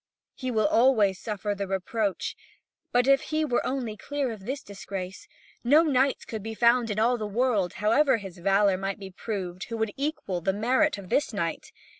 He will always suffer the reproach. If he were only clear of this disgrace, no knight could be found in all the world, however his valour might be proved, who would equal the merit of this knight.